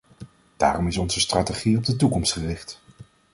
Daarom is onze strategie op de toekomst gericht.